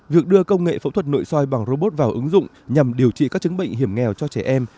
việc đưa công nghệ phẫu thuật nội soi bằng robot vào ứng dụng nhằm điều trị các chứng bệnh hiểm nghèo cho trẻ em